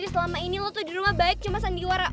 selama ini lo tuh di rumah baik cuma sandiwara